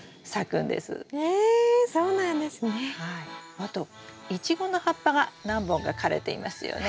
あとイチゴの葉っぱが何本か枯れていますよね。